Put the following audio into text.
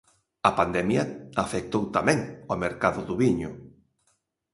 A pandemia afectou tamén o mercado do viño.